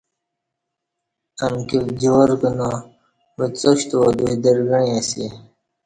امکی جوار کنا وڅا شتوا دوئی درگݩعی اسی۔